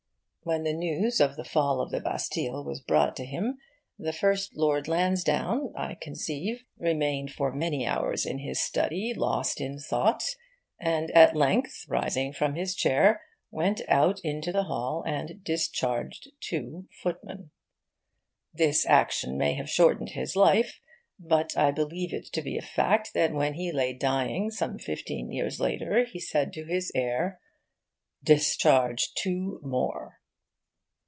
When the news of the fall of the Bastille was brought to him, the first Lord Lansdowne (I conceive) remained for many hours in his study, lost in thought, and at length, rising from his chair, went out into the hall and discharged two footmen. This action may have shortened his life, but I believe it to be a fact that when he lay dying, some fifteen years later, he said to his heir, 'Discharge two more.